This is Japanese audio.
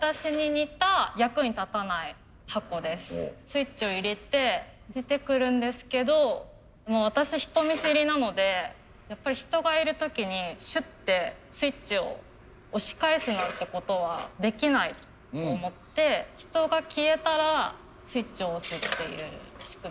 スイッチを入れて出てくるんですけど私人見知りなのでやっぱり人がいる時にシュッてスイッチを押し返すなんてことはできないと思って人が消えたらスイッチを押すっていう仕組みにしました。